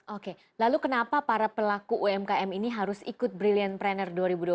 oke lalu kenapa para pelaku umkm ini harus ikut brilliant pranner dua ribu dua puluh satu